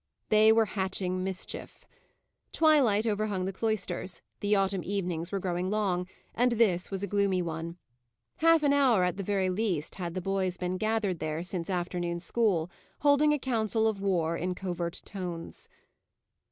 They were hatching mischief. Twilight overhung the cloisters; the autumn evenings were growing long, and this was a gloomy one. Half an hour, at the very least, had the boys been gathered there since afternoon school, holding a council of war in covert tones.